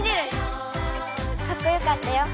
かっこよかったよ。